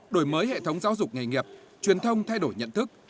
đổi mới hệ thống giáo dục nghề nghiệp truyền thông thay đổi nhận thức